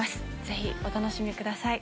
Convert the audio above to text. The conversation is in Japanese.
ぜひお楽しみください。